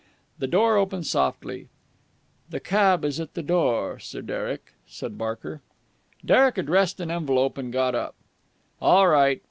The door opened softly. "The cab is at the door, Sir Derek," said Barker. Derek addressed an envelope, and got up. "All right.